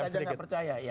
kita aja nggak percaya